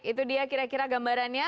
itu dia kira kira gambarannya